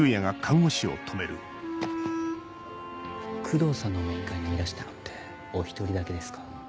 工藤さんの面会にいらしたのってお１人だけですか？